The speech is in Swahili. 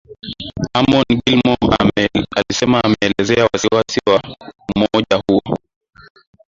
Eamon Gilmore alisema ameelezea wasi-wasi wa umoja huo.